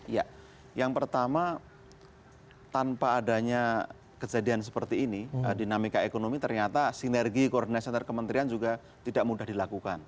ya yang pertama tanpa adanya kejadian seperti ini dinamika ekonomi ternyata sinergi koordinasi antar kementerian juga tidak mudah dilakukan